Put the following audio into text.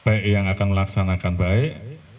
baik yang akan melaksanakan baik